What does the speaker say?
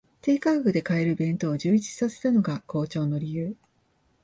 低価格で買える弁当を充実させたのが好調の理由